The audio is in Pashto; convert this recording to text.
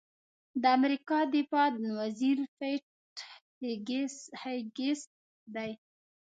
د امریکا دفاع وزیر پیټ هېګسیت دی.